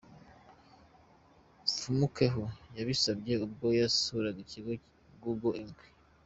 Mfumukeko yabisabye ubwo yasuraga ikigo Google Inc.